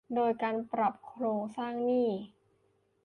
โดยการปรับโครงสร้างหนี้